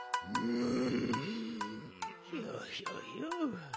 うん。